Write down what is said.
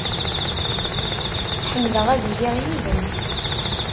Ḥemmleɣ ad iliɣ yid-m.